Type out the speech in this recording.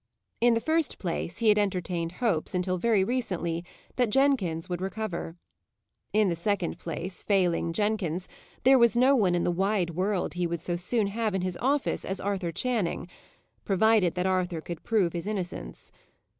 In the first place, he had entertained hopes, until very recently, that Jenkins would recover; in the second place, failing Jenkins, there was no one in the wide world he would so soon have in his office as Arthur Channing provided that Arthur could prove his innocence.